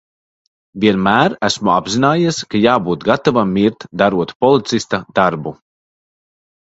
Vienmēr esmu apzinājies, ka jābūt gatavam mirt, darot policista darbu.